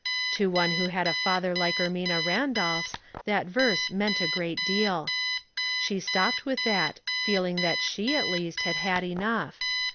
To one who had a father like Ermina Randolph's that verse meant a great deal. She stopped with that, feeling that she at least had had enongh.